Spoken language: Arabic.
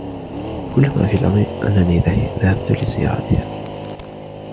كل ما في الأمر أنني ذهبت لزيارتها.